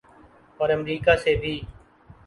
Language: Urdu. اور امریکہ سے بھی۔